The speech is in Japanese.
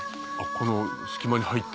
この隙間に入って。